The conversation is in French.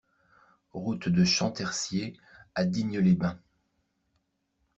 Route de Champtercier à Digne-les-Bains